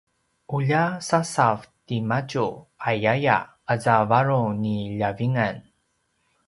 “ulja sasav timadju” ayaya aza a varung ni ljavingan